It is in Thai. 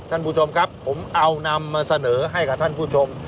ท่านผู้ชมครับผมเอานำมาเสนอให้กับท่านผู้ชม